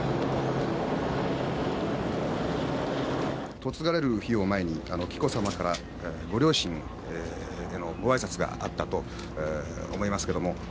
嫁がれる日を前に、紀子さまからご両親へのごあいさつがあったと思いますけども。